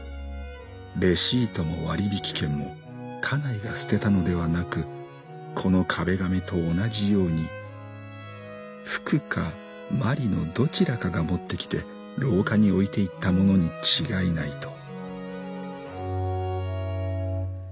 レシートも割引券も家内が捨てたのではなくこの壁紙と同じようにふくかまりのどちらかが持ってきて廊下に置いていったものに違いないと」。